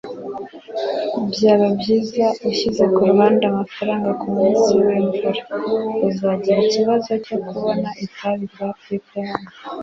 Byaba byiza ushyize ku ruhande amafaranga kumunsi wimvura. Uzagira ikibazo cyo kubona itabi rya pipe hano.